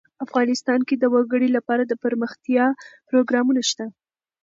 افغانستان کې د وګړي لپاره دپرمختیا پروګرامونه شته.